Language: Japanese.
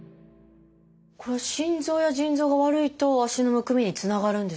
心臓や腎臓が悪いと足のむくみにつながるんですね。